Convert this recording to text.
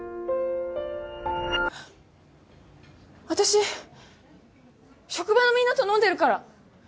私職場のみんなと飲んでるから。